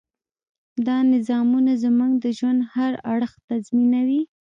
دا نظامونه زموږ د ژوند هر اړخ تنظیموي.